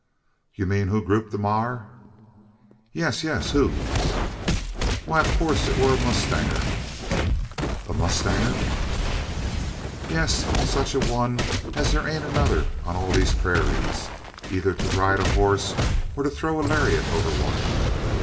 "Ye mean who grupped the maar?" "Yes yes who?" "Why, in coorse it wur a mowstanger." "A mustanger?" "Ye es an such a one as thur ain't another on all these purayras eyther to ride a hoss, or throw a laryitt over one.